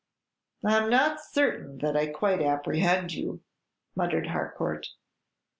"I 'm not certain that I quite apprehend you," muttered Harcourt.